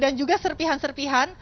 dan juga serpihan serpihan